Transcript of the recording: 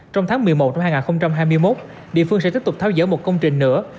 trong tháng một mươi một năm hai nghìn hai mươi một địa phương sẽ tiếp tục tháo dỡ một công trình nữa